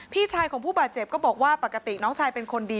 พี่ชายของผู้บาดเจ็บก็บอกว่าปกติน้องชายเป็นคนดี